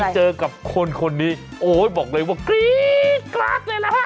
เจอกับคนคนนี้โอ้ยบอกเลยว่ากรี๊ดกราดเลยล่ะค่ะ